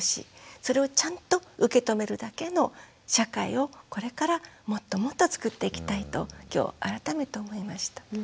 それをちゃんと受け止めるだけの社会をこれからもっともっとつくっていきたいと今日改めて思いました。